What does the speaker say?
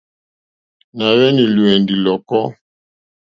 Nà hwenì lùwindi lɔ̀kɔ.